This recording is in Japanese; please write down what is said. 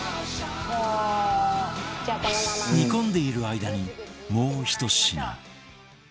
煮込んでいる間にもうひと品